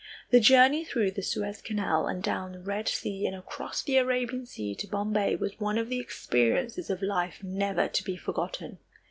The journey through the Suez Canal and down the Red Sea and across the Arabian Sea to Bombay was one of the experiences of life never to be forgotten.